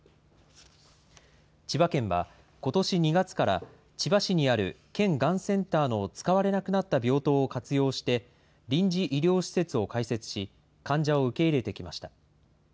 千葉県はことし２月から、千葉市にある県がんセンターの使われなくなった病棟を活用して、臨時医療施設を開設し、患者を受け入れてきました。